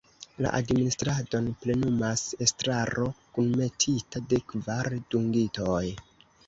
La administradon plenumas estraro kunmetita de kvar dungitoj.